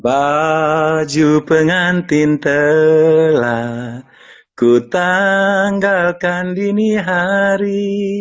baju pengantin telah kutanggalkan dini hari